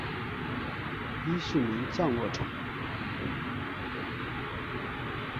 伊是名降落场。